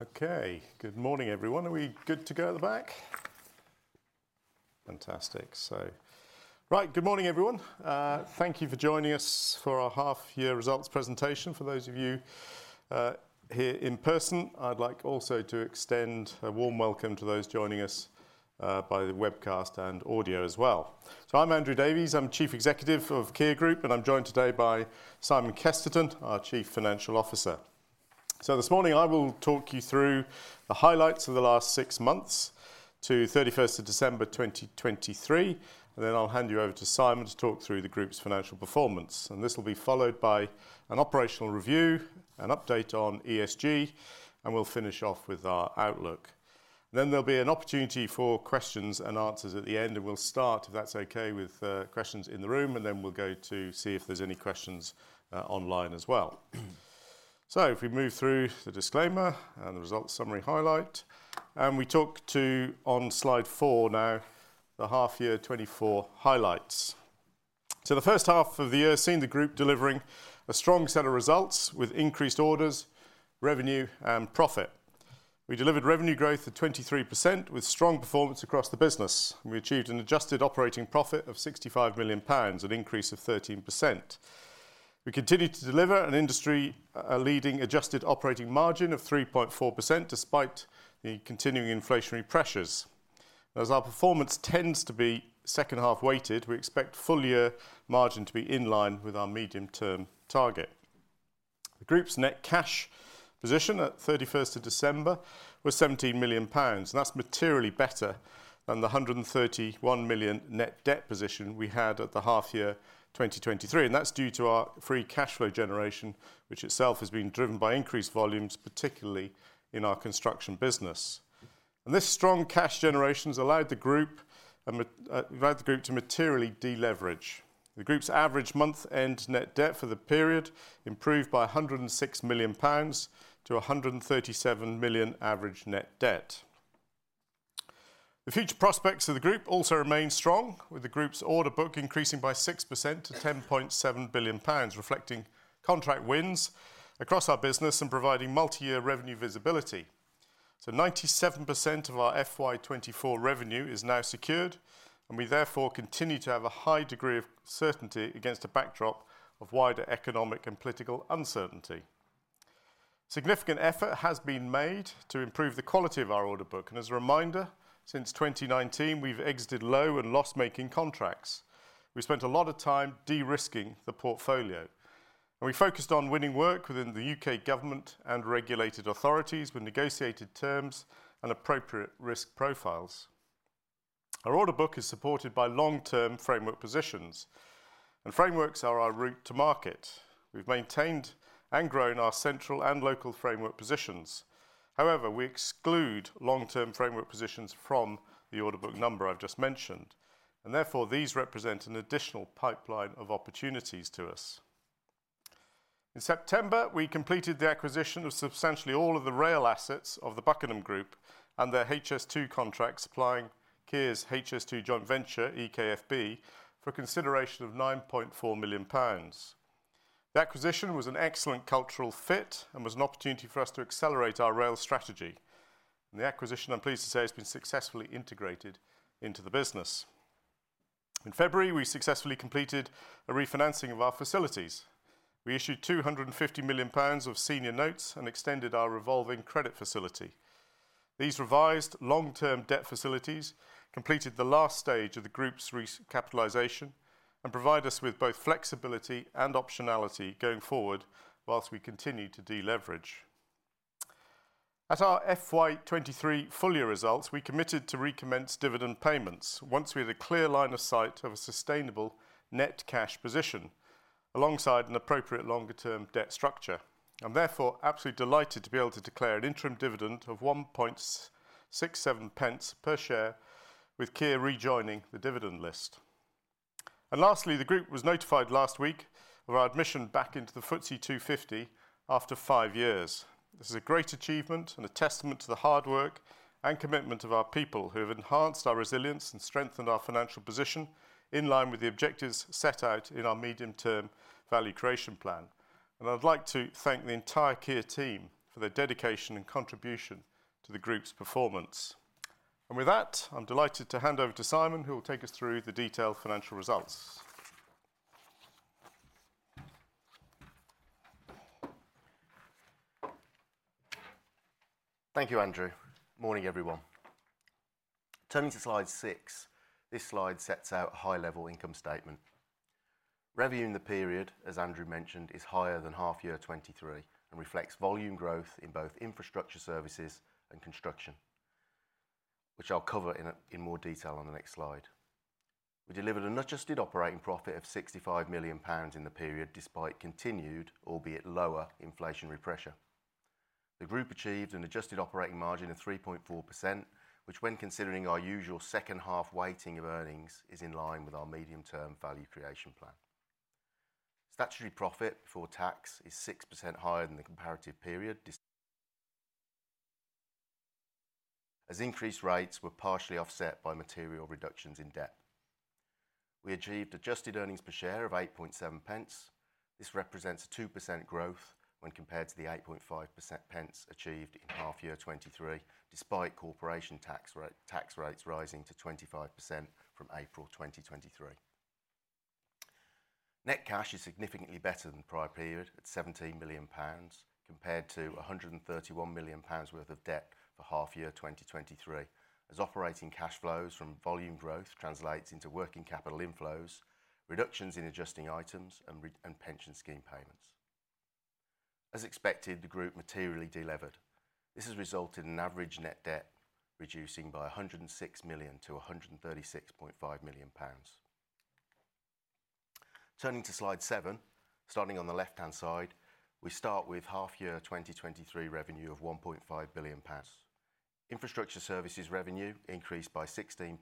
Okay. Good morning, everyone. Are we good to go at the back? Fantastic. So, right, good morning, everyone. Thank you for joining us for our half-year results presentation. For those of you here in person, I'd like also to extend a warm welcome to those joining us by the webcast and audio as well. So I'm Andrew Davies, I'm Chief Executive of Kier Group, and I'm joined today by Simon Kesterton, our Chief Financial Officer. So this morning, I will talk you through the highlights of the last six months to thirty-first of December, twenty twenty-three, and then I'll hand you over to Simon to talk through the group's financial performance. This will be followed by an operational review, an update on ESG, and we'll finish off with our outlook. Then there'll be an opportunity for questions and answers at the end, and we'll start, if that's okay, with questions in the room, and then we'll go to see if there's any questions online as well. So if we move through the disclaimer and the results summary highlight, and we talk to on slide four now, the half year 2024 highlights. So the first half of the year seen the group delivering a strong set of results with increased orders, revenue, and profit. We delivered revenue growth of 23%, with strong performance across the business. We achieved an adjusted operating profit of 65 million pounds, an increase of 13%. We continued to deliver an industry leading adjusted operating margin of 3.4%, despite the continuing inflationary pressures. As our performance tends to be second-half weighted, we expect full-year margin to be in line with our medium-term target. The group's net cash position at 31st December was 17 million pounds, and that's materially better than the 131 million net debt position we had at the half year 2023, and that's due to our free cash flow generation, which itself has been driven by increased volumes, particularly in our construction business. And this strong cash generation has allowed the group to materially deleverage. The group's average month-end net debt for the period improved by 106 million pounds to 137 million average net debt. The future prospects of the group also remain strong, with the group's order book increasing by 6% to 10.7 billion pounds, reflecting contract wins across our business and providing multi-year revenue visibility. So 97% of our FY 2024 revenue is now secured, and we therefore continue to have a high degree of certainty against a backdrop of wider economic and political uncertainty. Significant effort has been made to improve the quality of our order book, and as a reminder, since 2019, we've exited low and loss-making contracts. We spent a lot of time de-risking the portfolio, and we focused on winning work within the U.K. government and regulated authorities with negotiated terms and appropriate risk profiles. Our order book is supported by long-term framework positions, and frameworks are our route to market. We've maintained and grown our central and local framework positions. However, we exclude long-term framework positions from the order book number I've just mentioned, and therefore, these represent an additional pipeline of opportunities to us. In September, we completed the acquisition of substantially all of the rail assets of the Buckingham Group and their HS2 contract, supplying Kier's HS2 joint venture, EKFB, for a consideration of 9.4 million pounds. The acquisition was an excellent cultural fit and was an opportunity for us to accelerate our rail strategy. The acquisition, I'm pleased to say, has been successfully integrated into the business. In February, we successfully completed a refinancing of our facilities. We issued 250 million pounds of senior notes and extended our revolving credit facility. These revised long-term debt facilities completed the last stage of the group's recapitalization and provide us with both flexibility and optionality going forward whilst we continue to deleverage. At our FY 2023 full year results, we committed to recommence dividend payments once we had a clear line of sight of a sustainable net cash position, alongside an appropriate longer-term debt structure. I'm therefore absolutely delighted to be able to declare an interim dividend of 1.67 per share, with Kier rejoining the dividend list. Lastly, the group was notified last week of our admission back into the FTSE 250 after five years. This is a great achievement and a testament to the hard work and commitment of our people, who have enhanced our resilience and strengthened our financial position in line with the objectives set out in our medium-term value creation plan. I'd like to thank the entire Kier team for their dedication and contribution to the group's performance. With that, I'm delighted to hand over to Simon, who will take us through the detailed financial results. Thank you, Andrew. Morning, everyone. Turning to slide six, this slide sets out a high-level income statement. Revenue in the period, as Andrew mentioned, is higher than half year 2023 and reflects volume growth in both infrastructure services and construction, which I'll cover in more detail on the next slide. We delivered an adjusted operating profit of GBP 65 million in the period, despite continued, albeit lower, inflationary pressure. The group achieved an adjusted operating margin of 3.4%, which, when considering our usual second-half weighting of earnings, is in line with our medium-term value creation plan. Statutory profit before tax is 6% higher than the comparative period, as increased rates were partially offset by material reductions in debt. We achieved adjusted earnings per share of 8.7. This represents a 2% growth when compared to the 8.5 achieved in half year 2023, despite corporation tax rate, tax rates rising to 25% from April 2023. Net cash is significantly better than the prior period, at 17 million pounds, compared to 131 million pounds worth of debt for half year 2023, as operating cash flows from volume growth translates into working capital inflows, reductions in adjusting items, and and pension scheme payments. As expected, the group materially delevered. This has resulted in average net debt reducing by 106 million to 136.5 million pounds. Turning to Slide seven, starting on the left-hand side, we start with half year 2023 revenue of 1.5 billion. Infrastructure services revenue increased by 16%,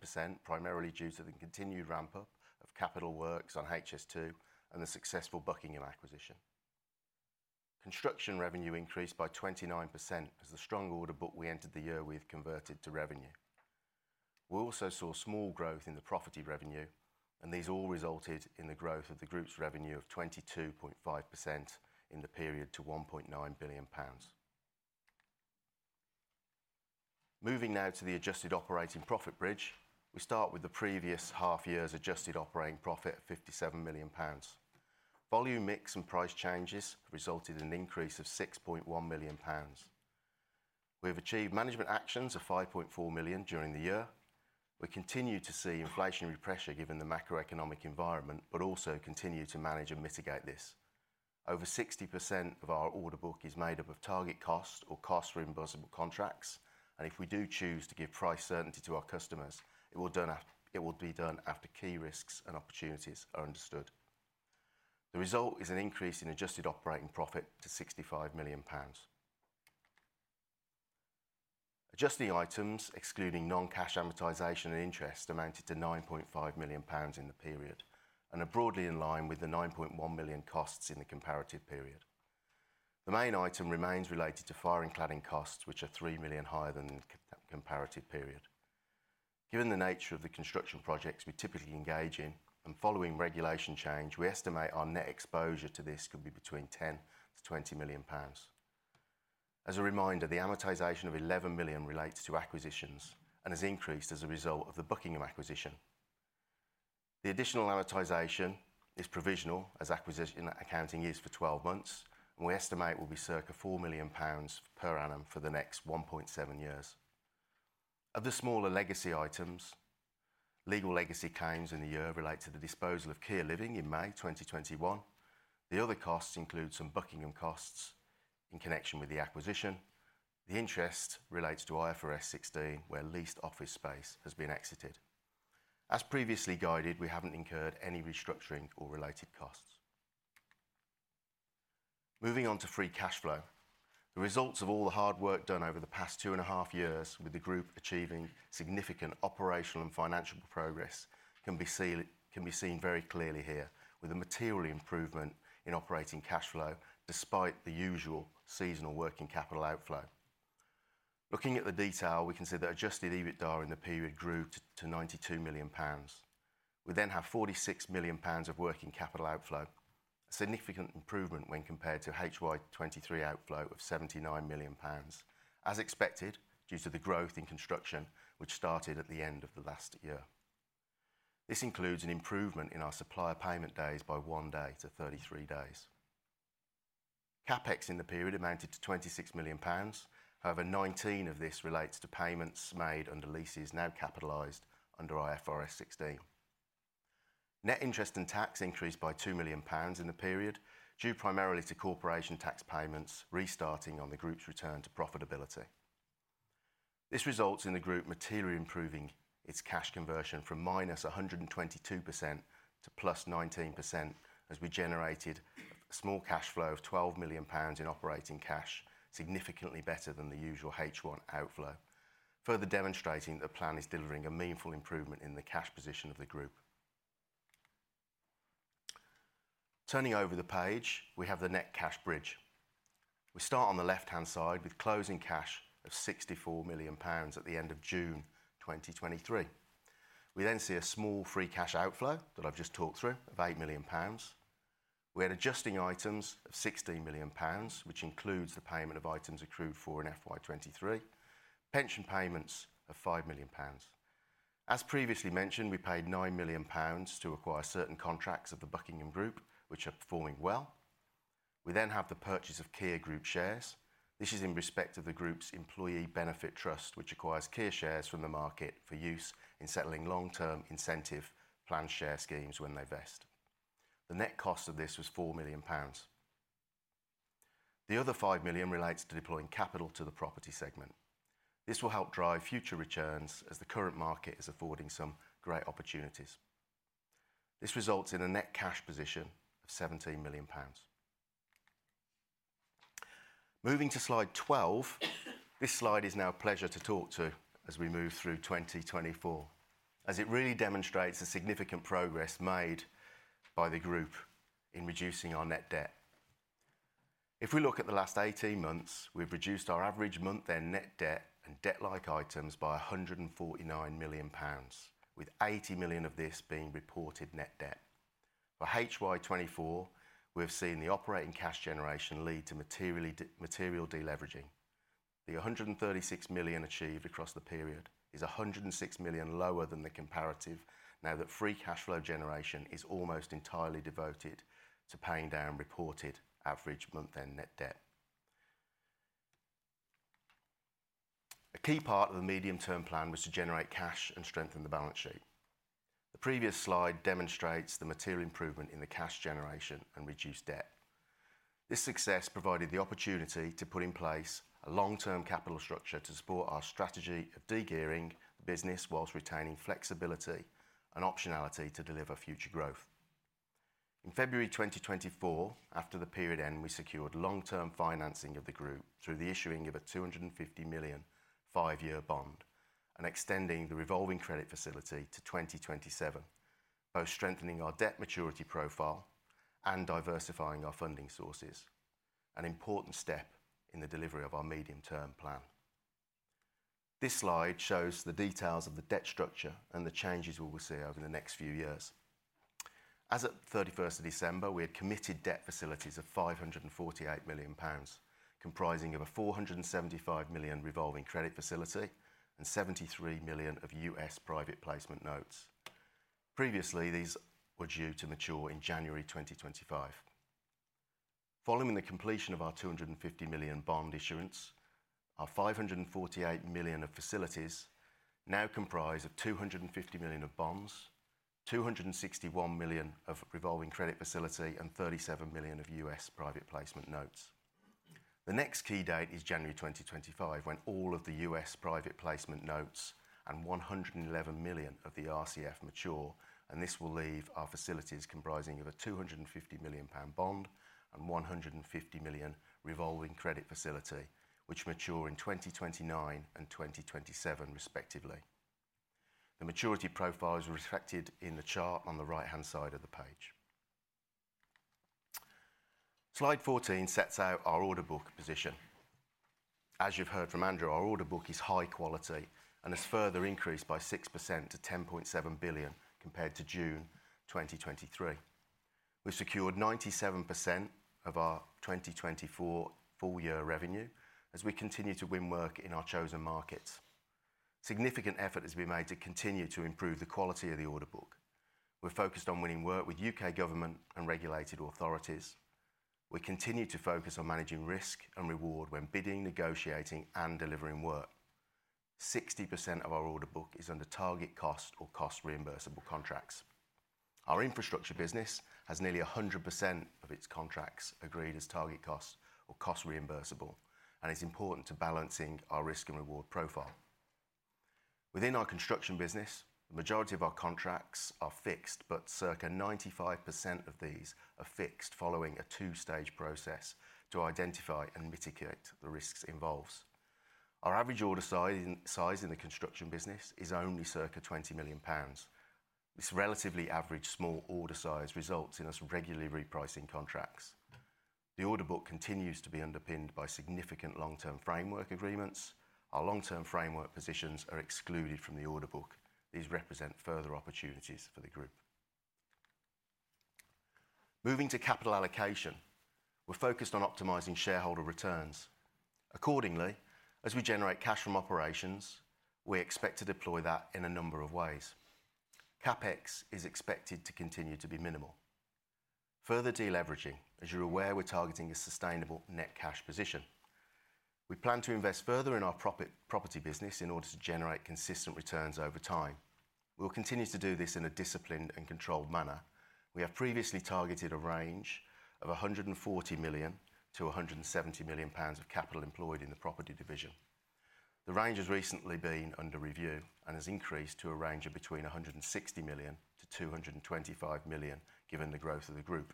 primarily due to the continued ramp up of capital works on HS2 and the successful Buckingham acquisition. Construction revenue increased by 29% as the strong order book we entered the year with converted to revenue. We also saw small growth in the property revenue, and these all resulted in the growth of the group's revenue of 22.5% in the period to 1.9 billion pounds. Moving now to the adjusted operating profit bridge. We start with the previous half year's adjusted operating profit of 57 million pounds. Volume mix and price changes resulted in an increase of 6.1 million pounds. We have achieved management actions of 5.4 million during the year. We continue to see inflationary pressure given the macroeconomic environment, but also continue to manage and mitigate this. Over 60% of our order book is made up of target cost or cost reimbursable contracts, and if we do choose to give price certainty to our customers, it will be done after key risks and opportunities are understood. The result is an increase in adjusted operating profit to 65 million pounds. Adjusting items, excluding non-cash amortization and interest, amounted to 9.5 million pounds in the period and are broadly in line with the 9.1 million costs in the comparative period. The main item remains related to fire and cladding costs, which are 3 million higher than the comparative period. Given the nature of the construction projects we typically engage in, and following regulation change, we estimate our net exposure to this could be between 10 million-20 million pounds. As a reminder, the amortization of 11 million relates to acquisitions and has increased as a result of the Buckingham acquisition. The additional amortization is provisional, as acquisition accounting is for 12 months, and we estimate will be circa 4 million pounds per annum for the next 1.7 years. Of the smaller legacy items, legal legacy claims in the year relate to the disposal of Kier Living in May 2021. The other costs include some Buckingham costs in connection with the acquisition. The interest relates to IFRS 16, where leased office space has been exited. As previously guided, we haven't incurred any restructuring or related costs. Moving on to free cash flow. The results of all the hard work done over the past 2.5 years with the group achieving significant operational and financial progress can be seen, can be seen very clearly here, with a material improvement in operating cash flow despite the usual seasonal working capital outflow. Looking at the detail, we can see that Adjusted EBITDA in the period grew to 92 million pounds. We then have 46 million pounds of working capital outflow, a significant improvement when compared to HY 2023 outflow of 79 million pounds, as expected, due to the growth in construction, which started at the end of the last year. This includes an improvement in our supplier payment days by one day to 33 days. CapEx in the period amounted to 26 million pounds. However, 19 of this relates to payments made under leases now capitalized under IFRS 16. Net interest and tax increased by 2 million pounds in the period, due primarily to corporation tax payments restarting on the group's return to profitability. This results in the group materially improving its cash conversion from -122% to +19%, as we generated a small cash flow of 12 million pounds in operating cash, significantly better than the usual H1 outflow, further demonstrating the plan is delivering a meaningful improvement in the cash position of the group. Turning over the page, we have the net cash bridge. We start on the left-hand side with closing cash of 64 million pounds at the end of June 2023. We then see a small free cash outflow that I've just talked through of 8 million pounds. We had adjusting items of 16 million pounds, which includes the payment of items accrued for in FY 2023. Pension payments of 5 million pounds. As previously mentioned, we paid 9 million pounds to acquire certain contracts of the Buckingham Group, which are performing well. We then have the purchase of Kier Group shares. This is in respect of the group's employee benefit trust, which acquires Kier shares from the market for use in settling long-term incentive plan share schemes when they vest. The net cost of this was 4 million pounds. The other 5 million relates to deploying capital to the property segment. This will help drive future returns as the current market is affording some great opportunities. This results in a net cash position of 17 million pounds. Moving to slide 12. This slide is now a pleasure to talk to as we move through 2024, as it really demonstrates the significant progress made by the group in reducing our net debt. If we look at the last 18 months, we've reduced our average month-end net debt and debt-like items by 149 million pounds, with 80 million of this being reported net debt. For HY 2024, we've seen the operating cash generation lead to material deleveraging. The 136 million achieved across the period is 106 million lower than the comparative, now that free cash flow generation is almost entirely devoted to paying down reported average month-end net debt. A key part of the medium-term plan was to generate cash and strengthen the balance sheet. The previous slide demonstrates the material improvement in the cash generation and reduced debt. This success provided the opportunity to put in place a long-term capital structure to support our strategy of de-gearing the business while retaining flexibility and optionality to deliver future growth. In February 2024, after the period end, we secured long-term financing of the group through the issuing of a 250 million five-year bond and extending the revolving credit facility to 2027, both strengthening our debt maturity profile and diversifying our funding sources, an important step in the delivery of our medium-term plan. This slide shows the details of the debt structure and the changes we will see over the next few years. As at 31st of December, we had committed debt facilities of 548 million pounds, comprising of a 475 million revolving credit facility and 73 million of U.S. private placement notes. Previously, these were due to mature in January 2025. Following the completion of our 250 million bond issuance, our 548 million of facilities now comprise of 250 million of bonds, 261 million of revolving credit facility, and 37 million of U.S. private placement notes. The next key date is January 2025, when all of the U.S. private placement notes and 111 million of the RCF mature, and this will leave our facilities comprising of a 250 million pound bond and 150 million revolving credit facility, which mature in 2029 and 2027, respectively. The maturity profile is reflected in the chart on the right-hand side of the page. Slide 14 sets out our order book position. As you've heard from Andrew, our order book is high quality and has further increased by 6% to 10.7 billion compared to June 2023. We've secured 97% of our 2024 full year revenue as we continue to win work in our chosen markets. Significant effort has been made to continue to improve the quality of the order book. We're focused on winning work with U.K. government and regulated authorities. We continue to focus on managing risk and reward when bidding, negotiating, and delivering work. 60% of our order book is under target cost or cost-reimbursable contracts. Our infrastructure business has nearly 100% of its contracts agreed as target cost or cost reimbursable, and it's important to balancing our risk and reward profile. Within our construction business, the majority of our contracts are fixed, but circa 95% of these are fixed following a two-stage process to identify and mitigate the risks involved. Our average order size in the construction business is only circa 20 million pounds. This relatively average small order size results in us regularly repricing contracts. The order book continues to be underpinned by significant long-term framework agreements. Our long-term framework positions are excluded from the order book. These represent further opportunities for the group. Moving to capital allocation. We're focused on optimizing shareholder returns. Accordingly, as we generate cash from operations, we expect to deploy that in a number of ways. CapEx is expected to continue to be minimal. Further deleveraging, as you're aware, we're targeting a sustainable net cash position. We plan to invest further in our property business in order to generate consistent returns over time. We will continue to do this in a disciplined and controlled manner. We have previously targeted a range of 140 million-170 million pounds of capital employed in the property division. The range has recently been under review and has increased to a range of between 160 million-225 million, given the growth of the group.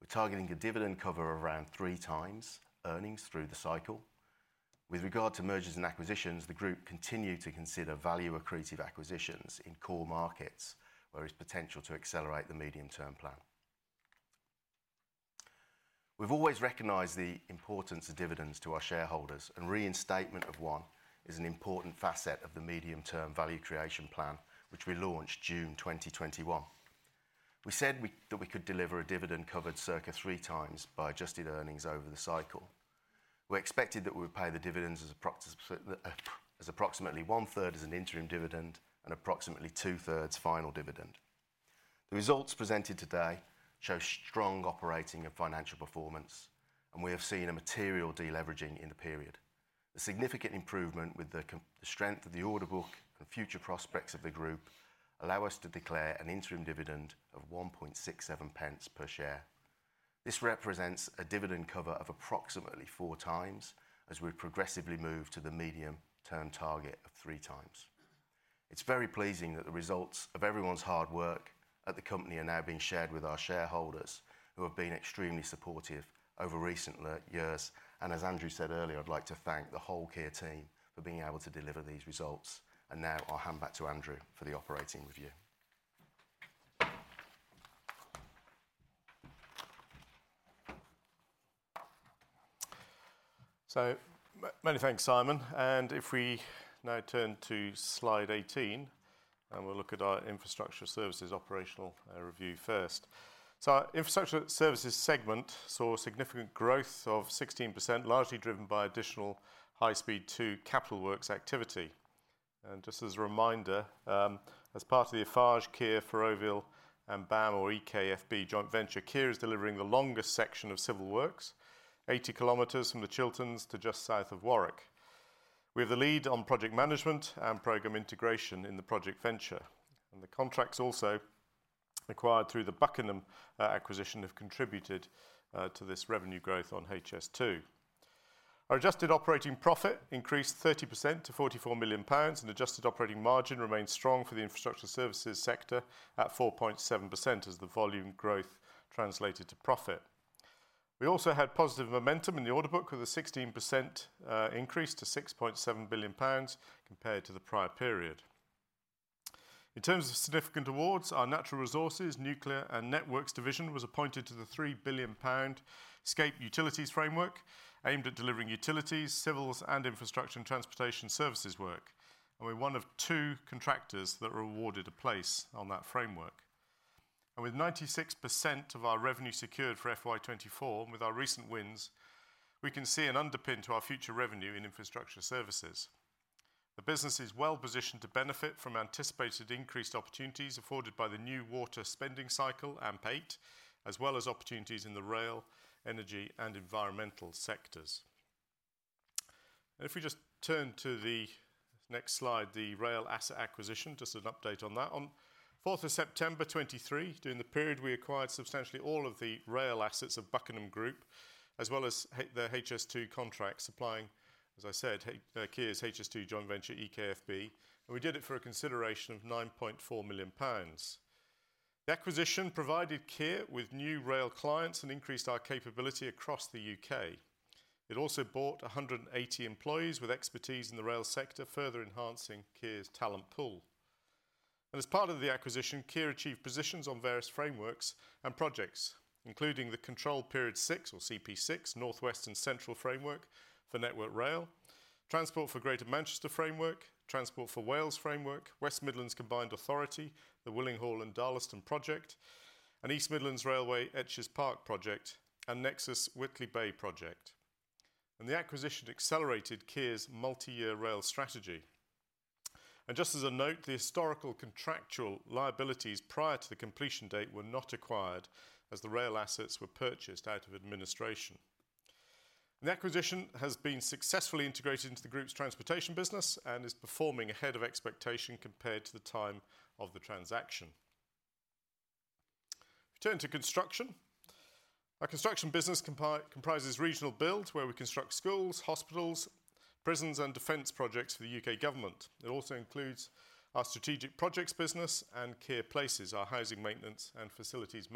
We're targeting a dividend cover around three times earnings through the cycle. With regard to mergers and acquisitions, the group continue to consider value-accretive acquisitions in core markets, where it's potential to accelerate the medium-term plan. We've always recognized the importance of dividends to our shareholders, and reinstatement of one is an important facet of the medium-term value creation plan, which we launched June 2021. We said that we could deliver a dividend covered circa three times by adjusted earnings over the cycle. We expected that we would pay the dividends approximately one-third as an interim dividend and approximately two-thirds final dividend. The results presented today show strong operating and financial performance, and we have seen a material deleveraging in the period. The significant improvement, the strength of the order book and future prospects of the group allow us to declare an interim dividend of 1.67 pence per share. This represents a dividend cover of approximately four times, as we progressively move to the medium-term target of three times. It's very pleasing that the results of everyone's hard work at the company are now being shared with our shareholders, who have been extremely supportive over recent years. As Andrew said earlier, I'd like to thank the whole Kier team for being able to deliver these results. Now I'll hand back to Andrew for the operating review. Many thanks, Simon. If we now turn to slide 18, we'll look at our infrastructure services operational review first. Our infrastructure services segment saw significant growth of 16%, largely driven by additional High Speed 2 capital works activity. Just as a reminder, as part of the Eiffage, Kier, Ferrovial and BAM or EKFB joint venture, Kier is delivering the longest section of civil works, 80 km from the Chilterns to just south of Warwick. We have the lead on project management and program integration in the joint venture, and the contracts also acquired through the Buckingham acquisition have contributed to this revenue growth on HS2. Our adjusted operating profit increased 30% to 44 million pounds, and adjusted operating margin remained strong for the infrastructure services sector at 4.7% as the volume growth translated to profit. We also had positive momentum in the order book, with a 16% increase to 6.7 billion pounds compared to the prior period. In terms of significant awards, our Natural Resources, Nuclear and Networks division was appointed to the 3 billion pound SCAPE utilities framework, aimed at delivering utilities, civils and infrastructure and transportation services work. We're one of two contractors that were awarded a place on that framework. With 96% of our revenue secured for FY 2024 and with our recent wins, we can see an underpin to our future revenue in infrastructure services. The business is well-positioned to benefit from anticipated increased opportunities afforded by the new water spending cycle, AMP8, as well as opportunities in the rail, energy and environmental sectors. If we just turn to the next slide, the rail asset acquisition, just an update on that. On 4th of September 2023, during the period we acquired substantially all of the rail assets of Buckingham Group, as well as the HS2 contract supplying, as I said, Kier's HS2 joint venture, EKFB, and we did it for a consideration of 9.4 million pounds. The acquisition provided Kier with new rail clients and increased our capability across the U.K. It also bought 180 employees with expertise in the rail sector, further enhancing Kier's talent pool. As part of the acquisition, Kier achieved positions on various frameworks and projects, including the Control Period 6 or CP6, North West and Central Framework for Network Rail, Transport for Greater Manchester Framework, Transport for Wales Framework, West Midlands Combined Authority, the Willenhall and Darlaston project, and East Midlands Railway Etches Park project, and Nexus Whitley Bay project. The acquisition accelerated Kier's multi-year rail strategy. Just as a note, the historical contractual liabilities prior to the completion date were not acquired, as the rail assets were purchased out of administration. The acquisition has been successfully integrated into the group's transportation business and is performing ahead of expectation compared to the time of the transaction. If we turn to construction. Our construction business comprises regional build, where we construct schools, hospitals, prisons and defense projects for the U.K. government. It also includes our strategic projects business and Kier Places, our housing maintenance and facilities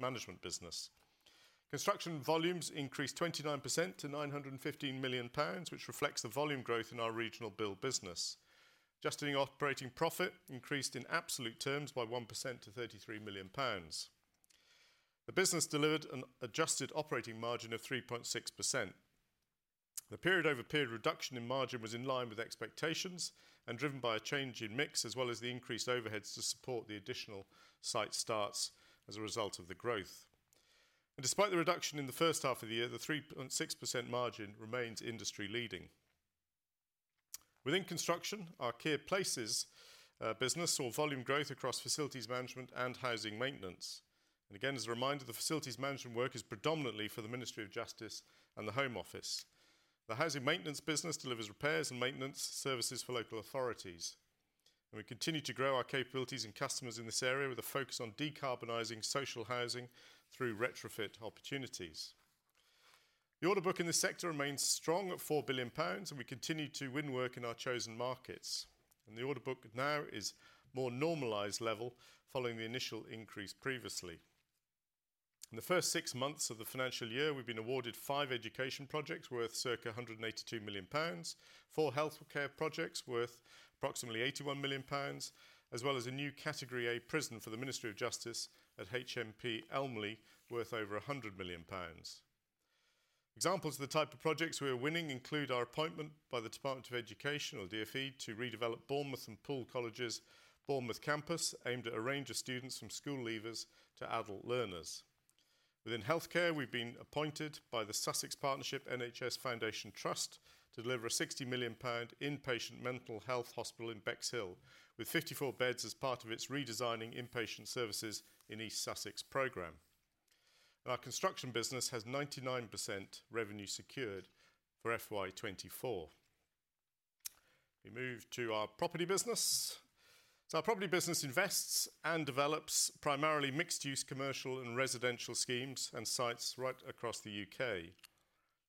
management business. Construction volumes increased 29% to 915 million pounds, which reflects the volume growth in our regional build business. Adjusted operating profit increased in absolute terms by 1% to 33 million pounds. The business delivered an adjusted operating margin of 3.6%. The period-over-period reduction in margin was in line with expectations and driven by a change in mix, as well as the increased overheads to support the additional site starts as a result of the growth. Despite the reduction in the first half of the year, the 3.6% margin remains industry-leading. Within construction, our Kier Places business saw volume growth across facilities management and housing maintenance. Again, as a reminder, the facilities management work is predominantly for the Ministry of Justice and the Home Office. The housing maintenance business delivers repairs and maintenance services for local authorities, and we continue to grow our capabilities and customers in this area with a focus on decarbonizing social housing through retrofit opportunities. The order book in this sector remains strong at 4 billion pounds, and we continue to win work in our chosen markets. The order book now is more normalized level following the initial increase previously. In the first six months of the financial year, we've been awarded five education projects worth circa 182 million pounds, four healthcare projects worth approximately 81 million pounds, as well as a new Category A prison for the Ministry of Justice at HMP Elmley, worth over 100 million pounds. Examples of the type of projects we are winning include our appointment by the Department for Education, or DfE, to redevelop Bournemouth and Poole College's Bournemouth campus, aimed at a range of students from school leavers to adult learners. Within healthcare, we've been appointed by the Sussex Partnership NHS Foundation Trust to deliver a 60 million pound inpatient mental health hospital in Bexhill, with 54 beds as part of its Redesigning Inpatient Services in East Sussex program. Our construction business has 99% revenue secured for FY 2024. We move to our property business. Our property business invests and develops primarily mixed-use commercial and residential schemes and sites right across the U.K.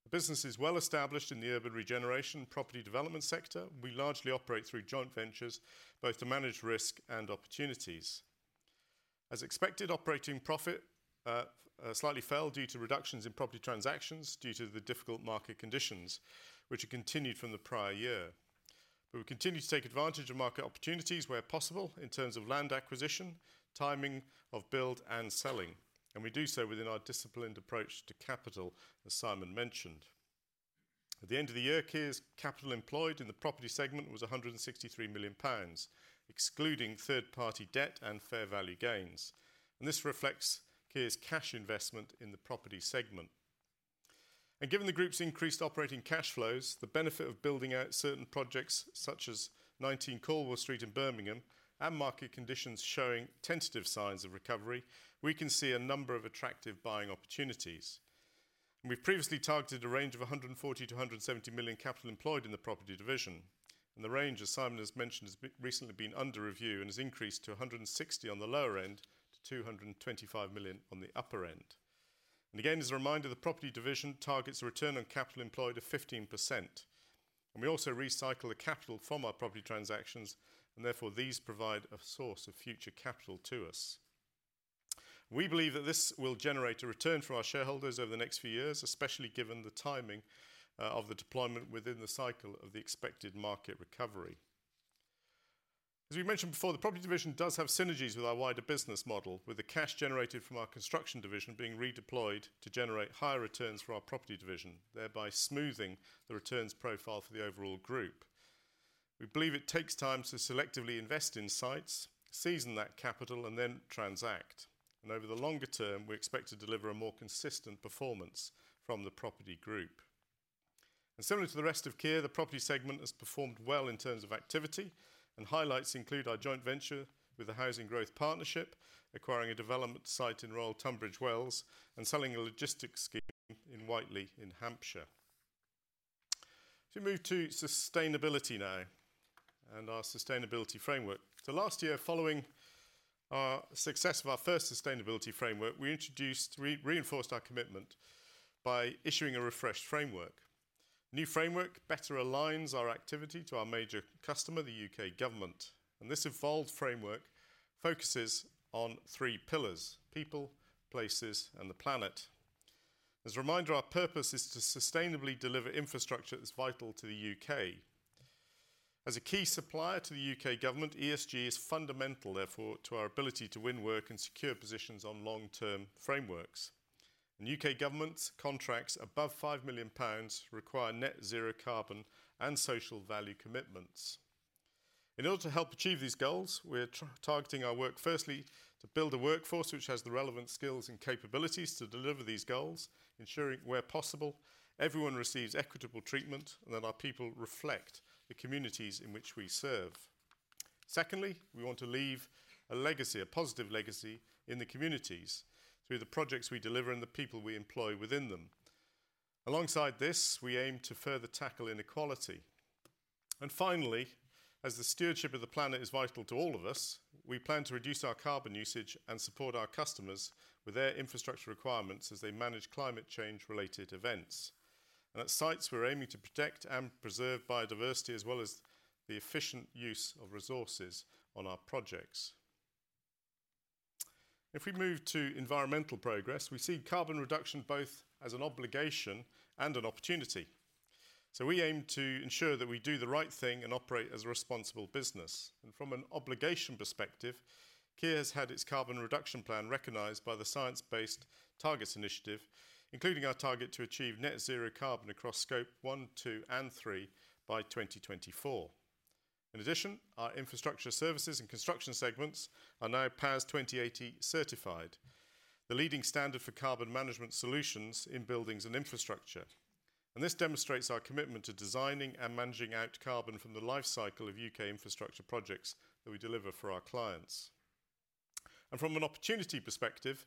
The business is well established in the urban regeneration and property development sector. We largely operate through joint ventures, both to manage risk and opportunities. As expected, operating profit slightly fell due to reductions in property transactions due to the difficult market conditions, which had continued from the prior year, but we continue to take advantage of market opportunities where possible in terms of land acquisition, timing of build, and selling, and we do so within our disciplined approach to capital, as Simon mentioned. At the end of the year, Kier's capital employed in the property segment was 163 million pounds, excluding third-party debt and fair value gains, and this reflects Kier's cash investment in the property segment. Given the group's increased operating cash flows, the benefit of building out certain projects such as 19 Cornwall Street in Birmingham, and market conditions showing tentative signs of recovery, we can see a number of attractive buying opportunities. We've previously targeted a range of 140 million-170 million capital employed in the property division, and the range, as Simon has mentioned, has recently been under review and has increased to 160 million-225 million on the lower end to the upper end. And again, as a reminder, the property division targets a return on capital employed of 15%, and we also recycle the capital from our property transactions, and therefore, these provide a source of future capital to us. We believe that this will generate a return for our shareholders over the next few years, especially given the timing, of the deployment within the cycle of the expected market recovery. As we mentioned before, the property division does have synergies with our wider business model, with the cash generated from our construction division being redeployed to generate higher returns for our property division, thereby smoothing the returns profile for the overall group. We believe it takes time to selectively invest in sites, season that capital, and then transact, and over the longer term, we expect to deliver a more consistent performance from the property group. Similar to the rest of Kier, the property segment has performed well in terms of activity, and highlights include our joint venture with the Housing Growth Partnership, acquiring a development site in Royal Tunbridge Wells, and selling a logistics scheme in Whiteley in Hampshire. If we move to sustainability now and our sustainability framework. Last year, following our success of our first sustainability framework, we introduced reinforced our commitment by issuing a refreshed framework. New framework better aligns our activity to our major customer, the U.K. government, and this evolved framework focuses on three pillars: people, places, and the planet. As a reminder, our purpose is to sustainably deliver infrastructure that's vital to the U.K. As a key supplier to the U.K. government, ESG is fundamental therefore, to our ability to win work and secure positions on long-term frameworks. U.K. government's contracts above 5 million pounds require net zero carbon and social value commitments. In order to help achieve these goals, we're targeting our work, firstly, to build a workforce which has the relevant skills and capabilities to deliver these goals, ensuring, where possible, everyone receives equitable treatment, and that our people reflect the communities in which we serve. Secondly, we want to leave a legacy, a positive legacy, in the communities through the projects we deliver and the people we employ within them. Alongside this, we aim to further tackle inequality. And finally, as the stewardship of the planet is vital to all of us, we plan to reduce our carbon usage and support our customers with their infrastructure requirements as they manage climate change-related events. At sites, we're aiming to protect and preserve biodiversity, as well as the efficient use of resources on our projects. If we move to environmental progress, we see carbon reduction both as an obligation and an opportunity, so we aim to ensure that we do the right thing and operate as a responsible business. From an obligation perspective, Kier has had its carbon reduction plan recognized by the Science Based Targets initiative, including our target to achieve net zero carbon across Scope 1, 2, and 3 by 2024. In addition, our infrastructure services and construction segments are now PAS 2080 certified, the leading standard for carbon management solutions in buildings and infrastructure. This demonstrates our commitment to designing and managing out carbon from the lifecycle of U.K. infrastructure projects that we deliver for our clients. From an opportunity perspective,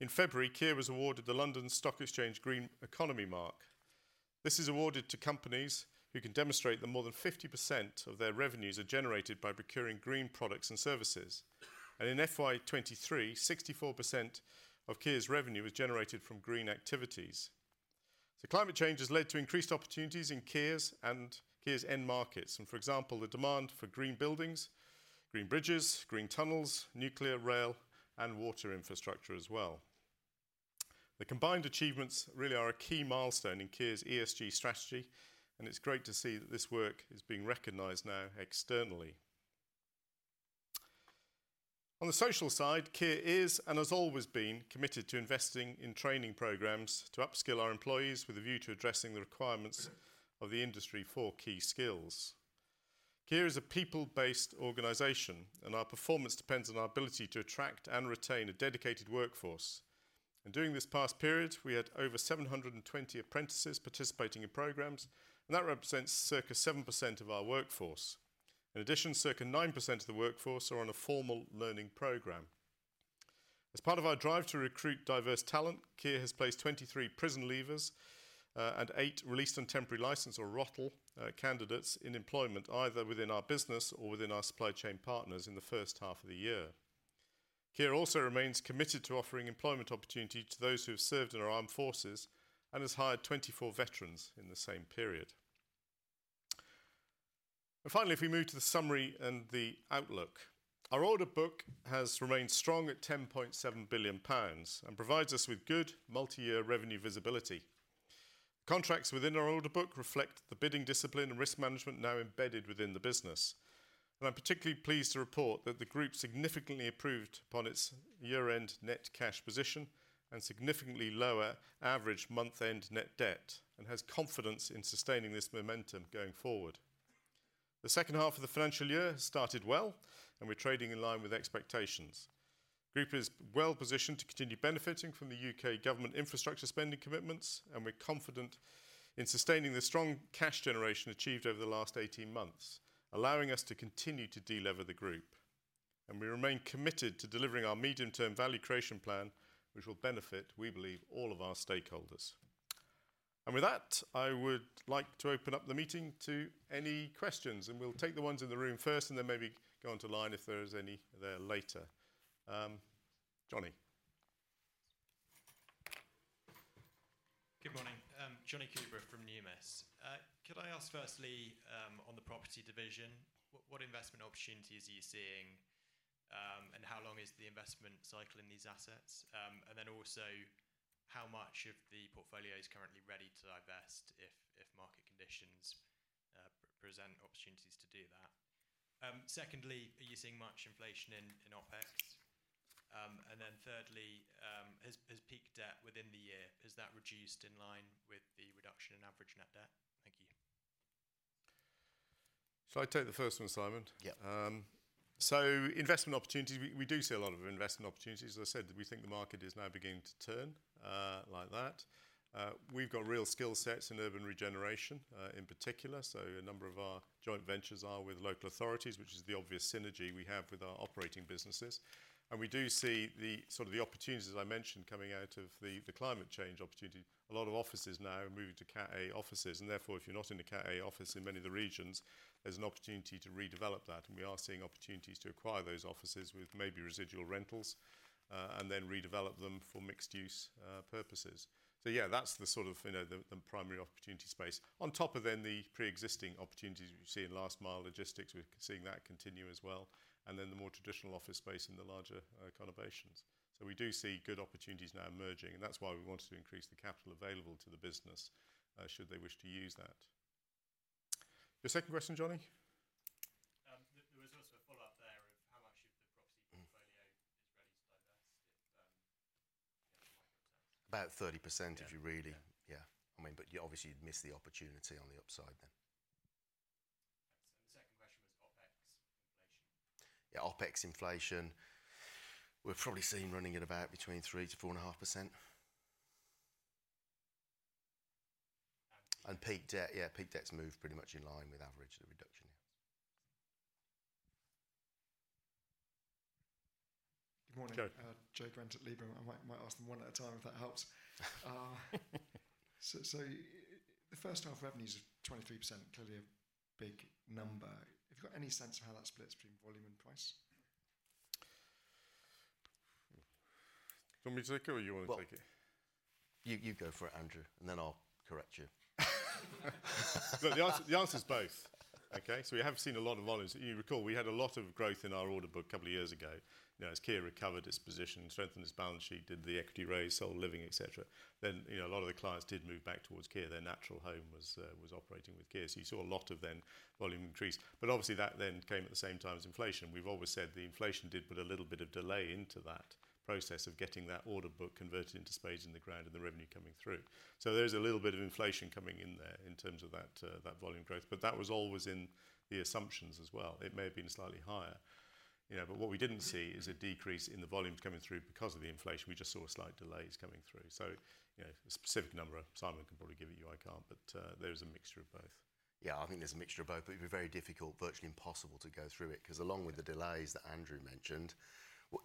in February, Kier was awarded the London Stock Exchange Green Economy Mark. This is awarded to companies who can demonstrate that more than 50% of their revenues are generated by procuring green products and services. In FY 2023, 64% of Kier's revenue was generated from green activities. Climate change has led to increased opportunities in Kier's and Kier's end markets, and for example, the demand for green buildings, green bridges, green tunnels, nuclear, rail, and water infrastructure as well. The combined achievements really are a key milestone in Kier's ESG strategy, and it's great to see that this work is being recognized now externally. On the social side, Kier is, and has always been, committed to investing in training programs to upskill our employees with a view to addressing the requirements of the industry for key skills. Kier is a people-based organization, and our performance depends on our ability to attract and retain a dedicated workforce. During this past period, we had over 720 apprentices participating in programs, and that represents circa 7% of our workforce. In addition, circa 9% of the workforce are on a formal learning program. As part of our drive to recruit diverse talent, Kier has placed 23 prison leavers and eight Released on Temporary License, or ROTL, candidates in employment, either within our business or within our supply chain partners in the first half of the year. Kier also remains committed to offering employment opportunity to those who have served in our armed forces and has hired 24 veterans in the same period. Finally, if we move to the summary and the outlook. Our order book has remained strong at 10.7 billion pounds and provides us with good multi-year revenue visibility. Contracts within our order book reflect the bidding discipline and risk management now embedded within the business. I'm particularly pleased to report that the group significantly improved upon its year-end net cash position and significantly lower average month-end net debt, and has confidence in sustaining this momentum going forward. The second half of the financial year has started well, and we're trading in line with expectations. The group is well positioned to continue benefiting from the U.K. government infrastructure spending commitments, and we're confident in sustaining the strong cash generation achieved over the last 18 months, allowing us to continue to delever the group. We remain committed to delivering our medium-term value creation plan, which will benefit, we believe, all of our stakeholders. With that, I would like to open up the meeting to any questions, and we'll take the ones in the room first, and then maybe go on to line if there is any there later. Jonny? Good morning, Jonny Coubrough from Numis. Could I ask firstly, on the property division, what investment opportunities are you seeing, and how long is the investment cycle in these assets? And then also, how much of the portfolio is currently ready to divest if market conditions present opportunities to do that? Secondly, are you seeing much inflation in OpEx? And then thirdly, has peak debt within the year, has that reduced in line with the reduction in average net debt? Thank you. Shall I take the first one, Simon? Yeah. So investment opportunities, we do see a lot of investment opportunities. As I said, we think the market is now beginning to turn, like that. We've got real skill sets in urban regeneration, in particular, so a number of our joint ventures are with local authorities, which is the obvious synergy we have with our operating businesses. And we do see the sort of opportunities, as I mentioned, coming out of the climate change opportunity. A lot of offices now are moving to Cat A offices, and therefore, if you're not in a Cat A office in many of the regions, there's an opportunity to redevelop that. And we are seeing opportunities to acquire those offices with maybe residual rentals, and then redevelop them for mixed-use purposes. So yeah, that's the sort of, you know, the primary opportunity space. On top of then the pre-existing opportunities we've seen in last mile logistics, we're seeing that continue as well, and then the more traditional office space in the larger, conurbations. So we do see good opportunities now emerging, and that's why we wanted to increase the capital available to the business, should they wish to use that. The second question, Johnny? There was also a follow-up there of how much of the property portfolio is ready to divest if, yeah. About 30%, if you really. Yeah. I mean, but you obviously miss the opportunity on the upside then. The second question was OpEx inflation. Yeah, OpEx inflation. We've probably seen running at about between 3%-4.5%. And peak debt, yeah, peak debt's moved pretty much in line with the average of the reduction, yes. Good morning. Go ahead. Joe Brent at Liberum. I might ask them one at a time, if that helps. So the first half revenues are 23%, clearly a big number. Have you got any sense of how that splits between volume and price? Do you want me to take it or you wanna take it? Well, you go for it, Andrew, and then I'll correct you. Look, the answer, the answer is both. Okay? So we have seen a lot of volumes. You recall, we had a lot of growth in our order book a couple of years ago. You know, as Kier recovered its position, strengthened its balance sheet, did the equity raise, sold Living, et cetera. Then, you know, a lot of the clients did move back towards Kier. Their natural home was, was operating with Kier, so you saw a lot of then volume increase. But obviously, that then came at the same time as inflation. We've always said the inflation did put a little bit of delay into that process of getting that order book converted into spades in the ground and the revenue coming through. So there is a little bit of inflation coming in there in terms of that volume growth, but that was always in the assumptions as well. It may have been slightly higher, you know, but what we didn't see is a decrease in the volumes coming through because of the inflation. We just saw slight delays coming through. So, you know, a specific number, Simon can probably give it to you, I can't, but there is a mixture of both. Yeah, I think there's a mixture of both, but it'd be very difficult, virtually impossible to go through it, 'cause along with the delays that Andrew mentioned, what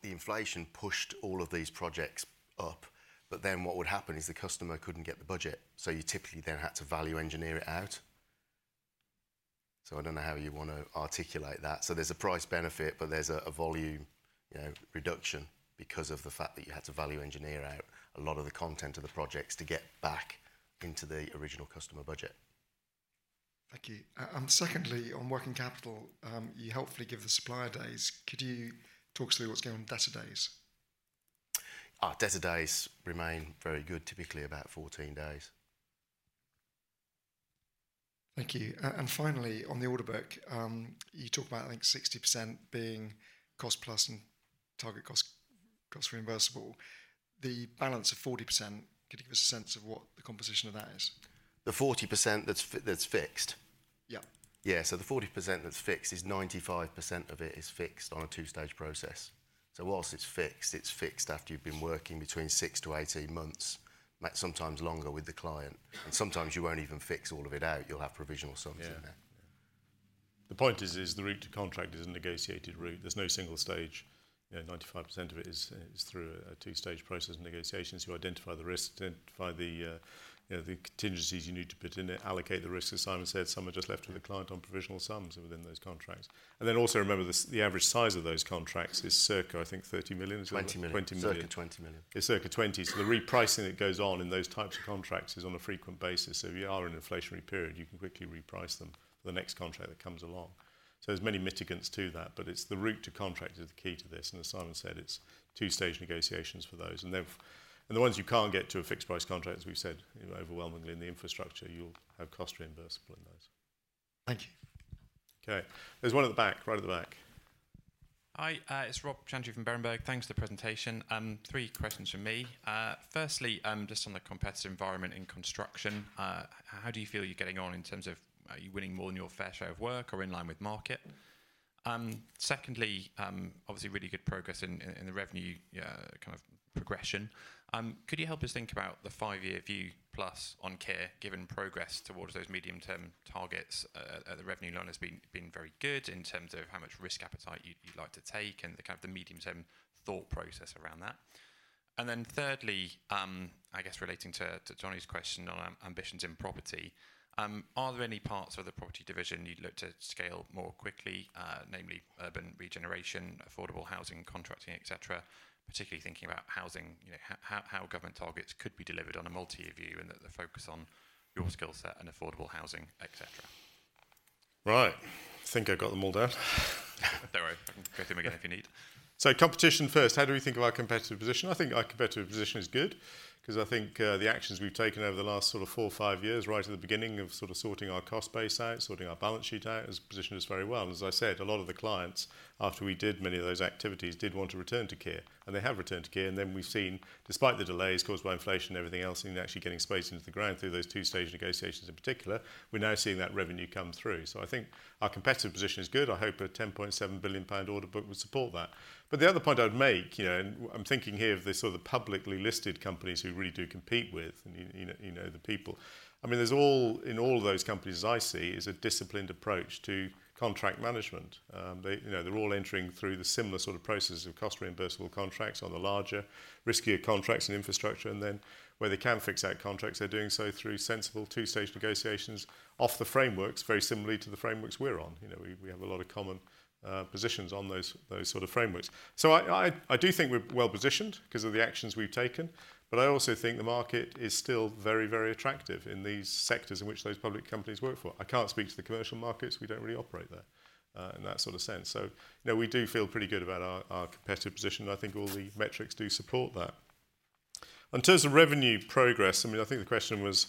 the inflation pushed all of these projects up. But then what would happen is the customer couldn't get the budget, so you typically then had to value engineer it out. So I don't know how you wanna articulate that. So there's a price benefit, but there's a volume, you know, reduction because of the fact that you had to value engineer out a lot of the content of the projects to get back into the original customer budget. Thank you. And secondly, on working capital, you helpfully give the supplier days. Could you talk us through what's going on in debtor days? Debtor days remain very good, typically about 14 days. Thank you. And finally, on the order book, you talk about, I think, 60% being cost plus and target cost, cost reimbursable. The balance of 40%, could you give us a sense of what the composition of that is? The 40% that's fixed? Yeah. Yeah, so the 40% that's fixed is 95% of it is fixed on a 2-stage process. So while it's fixed, it's fixed after you've been working between 6-18 months, sometimes longer with the client. And sometimes you won't even fix all of it out. You'll have provisional sums in there. Yeah. The point is, the route to contract is a negotiated route. There's no single stage. You know, 95% of it is through a two-stage process of negotiations. You identify the risk, identify the, you know, the contingencies you need to put in there, allocate the risks. As Simon said, some are just left to the client on provisional sums within those contracts. And then also remember the average size of those contracts is circa, I think, 30 million? 20 million. 20 million. Circa 20 million. It's circa 20. So the repricing that goes on in those types of contracts is on a frequent basis. So if you are in an inflationary period, you can quickly reprice them for the next contract that comes along. So there's many mitigants to that, but it's the route to contract is the key to this, and as Simon said, it's two-stage negotiations for those. And then and the ones you can't get to a fixed price contract, as we've said, you know, overwhelmingly in the infrastructure, you'll have cost reimbursable in those. Thank you. Okay, there's one at the back, right at the back. Hi, it's Robert Chantry from Berenberg. Thanks for the presentation, three questions from me. Firstly, just on the competitive environment in construction, how do you feel you're getting on in terms of, are you winning more than your fair share of work or in line with market? Secondly, obviously, really good progress in the revenue kind of progression. Could you help us think about the five-year view plus on care, given progress towards those medium-term targets? The revenue line has been very good in terms of how much risk appetite you'd like to take and the kind of the medium-term thought process around that. Then thirdly, I guess relating to Jonny's question on ambitions in property, are there any parts of the property division you'd look to scale more quickly, namely urban regeneration, affordable housing, contracting, et cetera, particularly thinking about housing, you know, how government targets could be delivered on a multi-year view, and the focus on your skill set and affordable housing, et cetera? Right. I think I got them all down. Don't worry. Go through them again, if you need. So competition first, how do we think of our competitive position? I think our competitive position is good, 'cause I think, the actions we've taken over the last sort of four or five years, right at the beginning of sort of sorting our cost base out, sorting our balance sheet out, has positioned us very well. And as I said, a lot of the clients, after we did many of those activities, did want to return to Kier, and they have returned to Kier. And then we've seen, despite the delays caused by inflation and everything else, and actually getting space into the ground through those two-stage negotiations in particular, we're now seeing that revenue come through. So I think our competitive position is good. I hope a 10.7 billion pound order book will support that. But the other point I'd make, you know, and I'm thinking here of the sort of publicly listed companies who really do compete with, and you know the people. I mean, there's all in all of those companies, as I see, is a disciplined approach to contract management. They, you know, they're all entering through the similar sort of processes of cost reimbursable contracts on the larger, riskier contracts and infrastructure, and then where they can fix that contracts, they're doing so through sensible two-stage negotiations off the frameworks, very similarly to the frameworks we're on. You know, we have a lot of common positions on those sort of frameworks. So I do think we're well-positioned because of the actions we've taken, but I also think the market is still very, very attractive in these sectors in which those public companies work for. I can't speak to the commercial markets. We don't really operate there in that sort of sense. So, you know, we do feel pretty good about our competitive position, and I think all the metrics do support that. In terms of revenue progress, I mean, I think the question was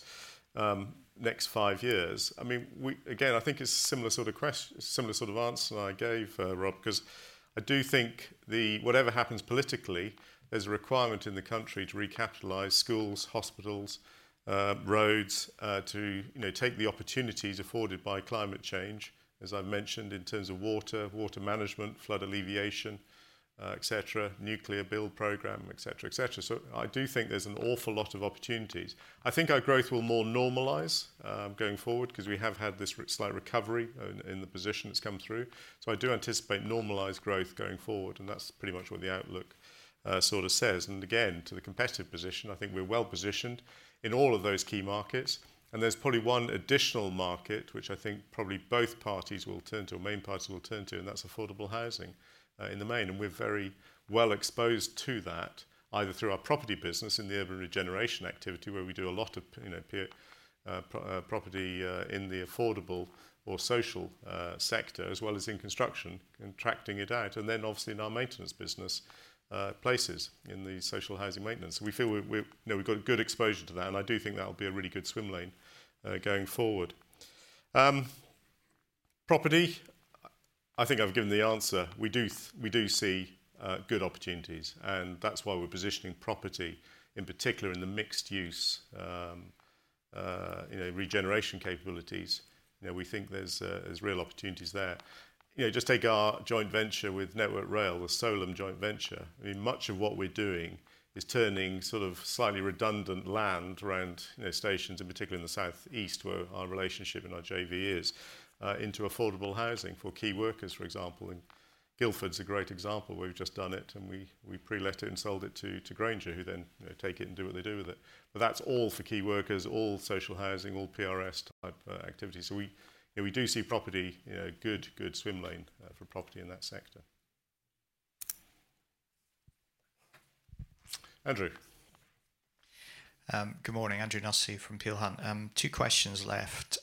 next five years. I mean, we. Again, I think it's a similar sort of answer I gave Rob, 'cause I do think whatever happens politically, there's a requirement in the country to recapitalize schools, hospitals, roads, to, you know, take the opportunities afforded by climate change, as I've mentioned, in terms of water, water management, flood alleviation, et cetera, nuclear build program, et cetera, et cetera. So I do think there's an awful lot of opportunities. I think our growth will more normalize, going forward because we have had this slight recovery in, in the position that's come through. So I do anticipate normalized growth going forward, and that's pretty much what the outlook, sort of says. And again, to the competitive position, I think we're well-positioned in all of those key markets, and there's probably one additional market which I think probably both parties will turn to, or main parties will turn to, and that's affordable housing, in the main. And we're very well exposed to that, either through our property business in the urban regeneration activity, where we do a lot of, you know, property, in the affordable or social, sector, as well as in construction, contracting it out, and then obviously in our maintenance business, places, in the social housing maintenance. We feel, you know, we've got a good exposure to that, and I do think that will be a really good swim lane going forward. Property, I think I've given the answer. We do see good opportunities, and that's why we're positioning property, in particular, in the mixed-use, you know, regeneration capabilities. You know, we think there's real opportunities there. You know, just take our joint venture with Network Rail, the Solum joint venture. I mean, much of what we're doing is turning sort of slightly redundant land around, you know, stations, in particular in the South East, where our relationship and our JV is into affordable housing for key workers, for example. Guildford's a great example where we've just done it, and we, we pre-let it and sold it to, to Grainger, who then, you know, take it and do what they do with it. But that's all for key workers, all social housing, all PRS-type activities. So we, you know, we do see property, you know, good, good swim lane for property in that sector. Andrew? Good morning, Andrew Nussey from Peel Hunt. Two questions left.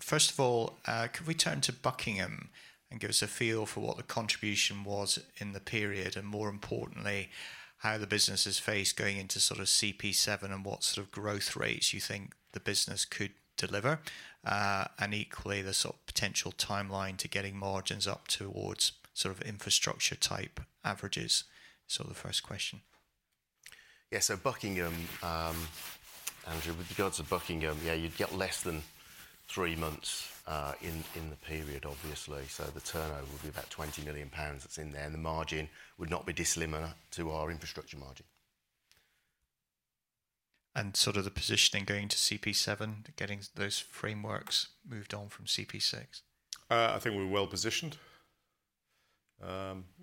First of all, could we turn to Buckingham and give us a feel for what the contribution was in the period, and more importantly, how the business is faced going into sort of CP7 and what sort of growth rates you think the business could deliver? And equally, the sort of potential timeline to getting margins up towards sort of infrastructure-type averages. So the first question. Yeah, so Buckingham, Andrew, with regards to Buckingham, yeah, you'd get less than three months in the period, obviously. So the turnover would be about 20 million pounds that's in there, and the margin would not be dissimilar to our infrastructure margin. Sort of the positioning going to CP7, getting those frameworks moved on from CP6? I think we're well-positioned. You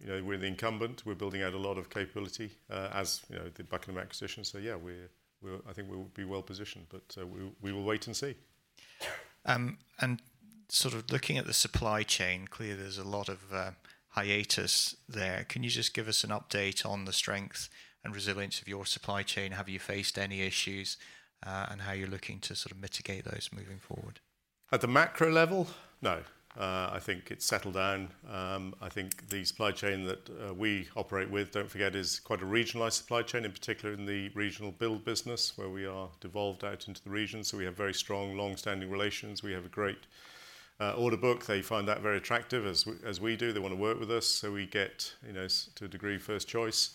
know, we're the incumbent, we're building out a lot of capability, as you know, the Buckingham acquisition. So yeah, I think we'll be well-positioned, but we will wait and see. And sort of looking at the supply chain, clearly, there's a lot of hiatus there. Can you just give us an update on the strength and resilience of your supply chain? Have you faced any issues, and how you're looking to sort of mitigate those moving forward? At the macro level? No. I think it's settled down. I think the supply chain that we operate with, don't forget, is quite a regionalized supply chain, in particular in the regional build business, where we are devolved out into the region. So we have very strong, long-standing relations. We have a great order book, they find that very attractive as we do. They want to work with us, so we get, you know, to a degree, first choice,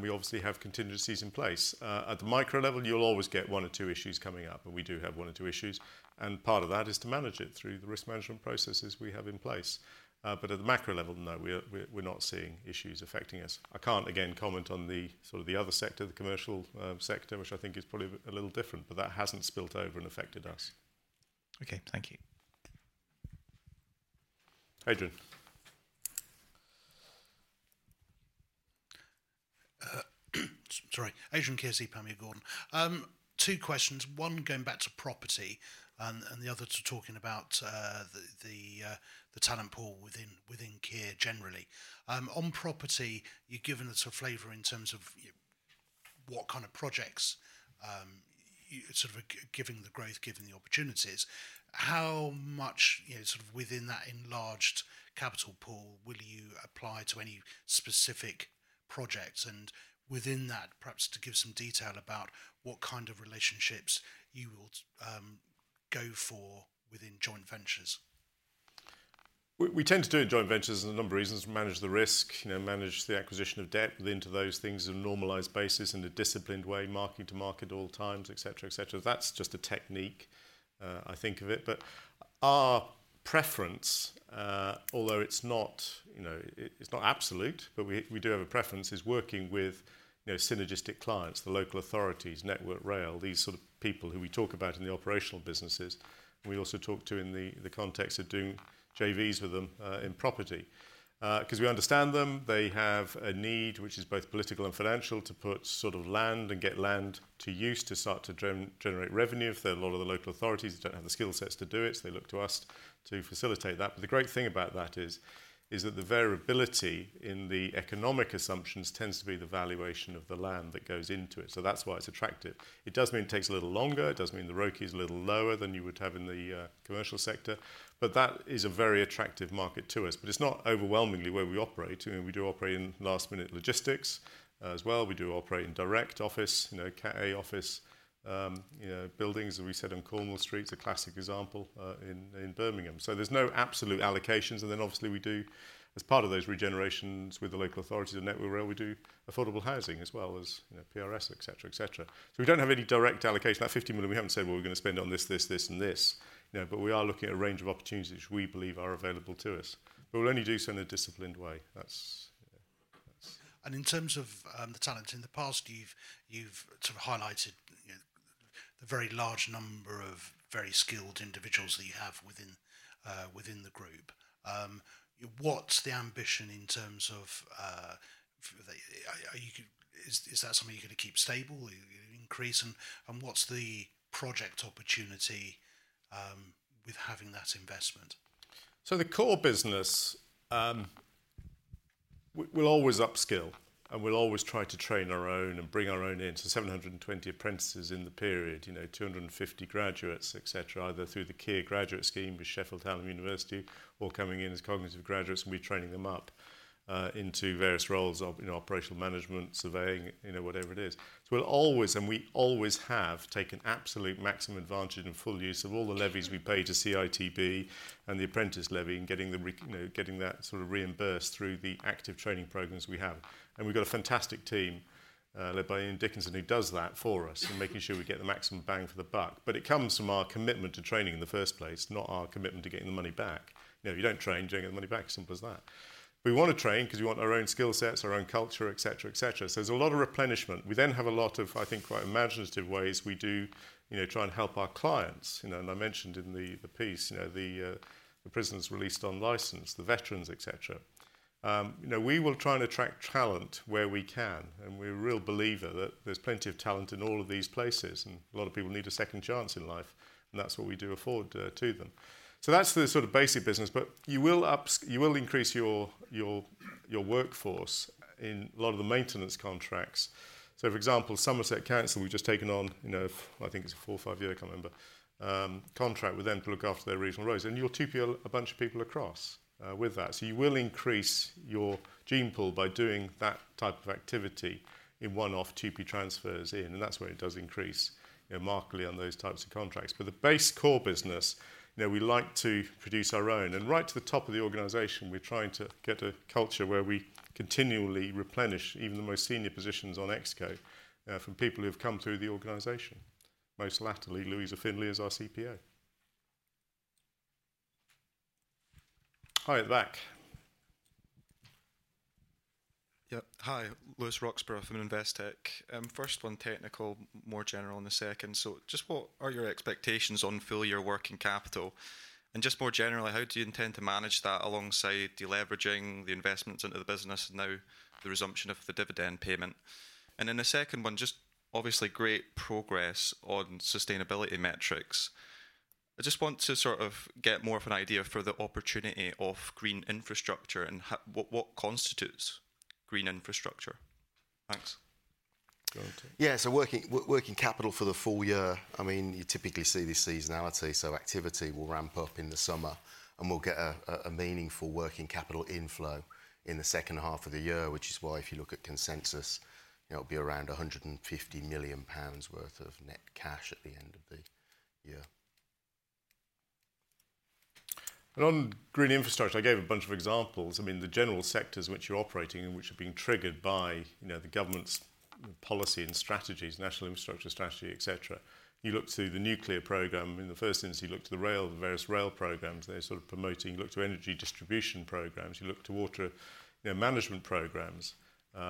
we obviously have contingencies in place. At the micro level, you'll always get one or two issues coming up, and we do have one or two issues, and part of that is to manage it through the risk management processes we have in place. But at the macro level, no, we're not seeing issues affecting us. I can't, again, comment on the sort of the other sector, the commercial, sector, which I think is probably a little different, but that hasn't spilled over and affected us. Okay, thank you. Adrian. Sorry. Adrian Kearsey, Panmure Gordon. Two questions, one going back to property and, and the other to talking about, the talent pool within Kier generally. On property, you've given us a flavor in terms of what kind of projects. Sort of, given the growth, given the opportunities, how much, you know, sort of within that enlarged capital pool will you apply to any specific projects? And within that, perhaps to give some detail about what kind of relationships you will go for within joint ventures. We tend to do joint ventures for a number of reasons: manage the risk, you know, manage the acquisition of debt into those things on a normalized basis, in a disciplined way, market to market at all times, et cetera, et cetera. That's just a technique, I think of it. But our preference, although it's not, you know, it's not absolute, but we do have a preference, is working with, you know, synergistic clients, the local authorities, Network Rail, these sort of people who we talk about in the operational businesses, and we also talk to in the context of doing JVs with them, in property. 'Cause we understand them. They have a need, which is both political and financial, to put sort of land and get land to use to start to generate revenue. A lot of the local authorities don't have the skill sets to do it, so they look to us to facilitate that. But the great thing about that is that the variability in the economic assumptions tends to be the valuation of the land that goes into it, so that's why it's attractive. It does mean it takes a little longer. It does mean the ROCE is a little lower than you would have in the commercial sector, but that is a very attractive market to us. But it's not overwhelmingly where we operate. I mean, we do operate in last-minute logistics as well. We do operate in direct office, you know, Cat A office, you know, buildings, as we said, on Cornwall Street; it's a classic example in Birmingham. So there's no absolute allocations, and then obviously we do, as part of those regenerations with the local authorities and Network Rail, we do affordable housing as well as, you know, PRS, et cetera, et cetera. So we don't have any direct allocation. That 50 million, we haven't said, well, we're going to spend on this, this, this and this, you know? But we are looking at a range of opportunities which we believe are available to us. But we'll only do so in a disciplined way. That's- In terms of the talent, in the past, you've sort of highlighted, you know, the very large number of very skilled individuals that you have within the group. What's the ambition in terms of... Is that something you're going to keep stable, increase? And what's the project opportunity with having that investment? So the core business, we, we'll always upskill, and we'll always try to train our own and bring our own in, so 720 apprentices in the period, you know, 250 graduates, et cetera, either through the Kier Graduate Scheme with Sheffield Hallam University or coming in as cognate graduates, and we train them up, into various roles of, you know, operational management, surveying, you know, whatever it is. So we'll always, and we always have, taken absolute maximum advantage and full use of all the levies we pay to CITB and the apprentice levy and getting them, you know, getting that sort of reimbursed through the active training programmes we have. And we've got a fantastic team, led by Ian Dickinson, who does that for us and making sure we get the maximum bang for the buck. But it comes from our commitment to training in the first place, not our commitment to getting the money back. You know, if you don't train, you don't get the money back, simple as that. We want to train because we want our own skill sets, our own culture, et cetera, et cetera. So there's a lot of replenishment. We then have a lot of, I think, quite imaginative ways we do... you know, try and help our clients, you know, and I mentioned in the, the piece, you know, the, the prisoners released on license, the veterans, et cetera. You know, we will try and attract talent where we can, and we're a real believer that there's plenty of talent in all of these places, and a lot of people need a second chance in life, and that's what we do afford to them. So that's the sort of basic business, but you will increase your workforce in a lot of the maintenance contracts. So, for example, Somerset Council, we've just taken on, you know, I think it's a four or five year, I can't remember, contract with them to look after their regional roads, and you'll TUPE a bunch of people across with that. So you will increase your gene pool by doing that type of activity in one-off TUPE transfers in, and that's where it does increase, you know, markedly on those types of contracts. But the base core business, you know, we like to produce our own. Right to the top of the organization, we're trying to get a culture where we continually replenish even the most senior positions on ExCo from people who've come through the organization, most latterly, Louisa Finlay is our CPO. Hi, at the back. Yeah. Hi, Lewis Roxburgh from Investec. First one, technical, more general on the second. So just what are your expectations on full-year working capital? And just more generally, how do you intend to manage that alongside deleveraging the investments into the business and now the resumption of the dividend payment? And then the second one, just obviously great progress on sustainability metrics. I just want to sort of get more of an idea for the opportunity of green infrastructure and what constitutes green infrastructure. Thanks. Go on, Simon. Yeah, so working capital for the full year, I mean, you typically see the seasonality, so activity will ramp up in the summer, and we'll get a meaningful working capital inflow in the second half of the year, which is why if you look at consensus, it'll be around 150 million pounds worth of net cash at the end of the year. On green infrastructure, I gave a bunch of examples. I mean, the general sectors which you're operating and which have been triggered by, you know, the government's policy and strategies, National Infrastructure Strategy, et cetera. You look to the nuclear program, I mean, the first instance, you look to the rail, the various rail programs they're sort of promoting. You look to energy distribution programs, you look to water, you know, management programs,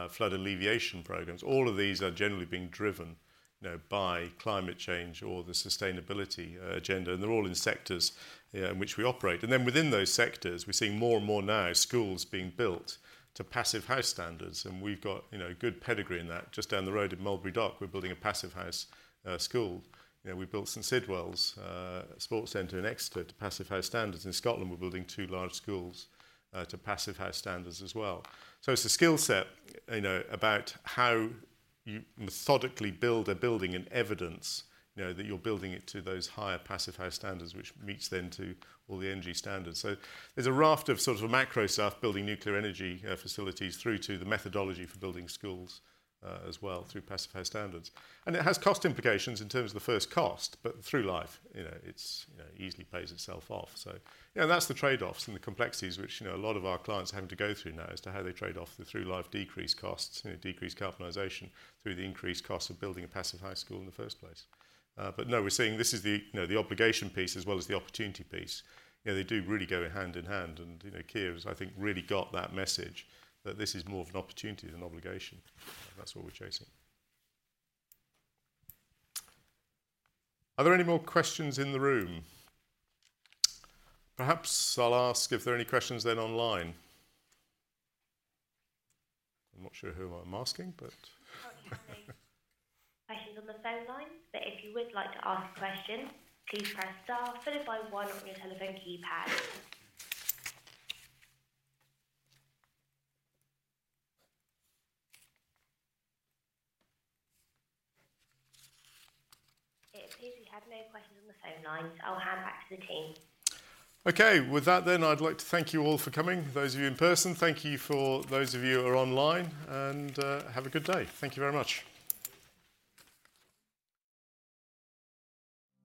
flood alleviation programs. All of these are generally being driven, you know, by climate change or the sustainability agenda, and they're all in sectors in which we operate. And then within those sectors, we're seeing more and more now schools being built to Passivhaus standards, and we've got, you know, a good pedigree in that. Just down the road at Mulberry Dock, we're building a Passivhaus school. You know, we built St Sidwell's sports center in Exeter to Passivhaus standards. In Scotland, we're building two large schools to Passivhaus standards as well. So it's a skill set, you know, about how you methodically build a building and evidence, you know, that you're building it to those higher Passivhaus standards, which meets then to all the energy standards. So there's a raft of sort of macro stuff, building nuclear energy facilities through to the methodology for building schools as well through Passivhaus standards. And it has cost implications in terms of the first cost, but through life, you know, it's, you know, easily pays itself off. So, you know, that's the trade-offs and the complexities, which, you know, a lot of our clients are having to go through now as to how they trade off the through life decreased costs, you know, decreased capitalization through the increased cost of building a Passivhaus school in the first place. But no, we're seeing this is the, you know, the obligation piece as well as the opportunity piece. You know, they do really go hand in hand, and, you know, Kier has, I think, really got that message, that this is more of an opportunity than an obligation. That's what we're chasing. Are there any more questions in the room? Perhaps I'll ask if there are any questions then online. I'm not sure who I'm asking, but I can't hear any questions on the phone line. But if you would like to ask a question, please press star followed by one on your telephone keypad. It appears we have no questions on the phone line, so I'll hand back to the team. Okay. With that then, I'd like to thank you all for coming, those of you in person. Thank you for those of you who are online, and have a good day. Thank you very much.